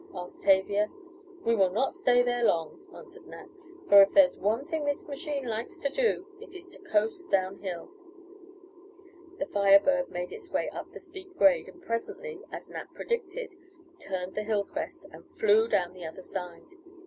asked Tavia. "We will not stay there long," answered Nat, "for if there is one thing this machine likes to do it is to coast down hill." The Fire Bird made its way up the steep grade, and presently, as Nat predicted, turned the hill crest and "flew" down the other side.